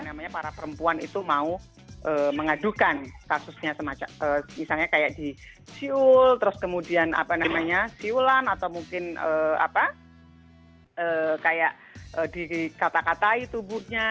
namanya para perempuan itu mau mengadukan kasusnya misalnya kayak di siul terus kemudian apa namanya siulan atau mungkin apa kayak dikata katai tubuhnya